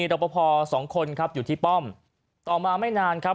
รอปภสองคนครับอยู่ที่ป้อมต่อมาไม่นานครับ